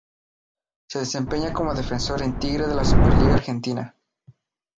Se desempeña como defensor en Tigre de la Superliga Argentina.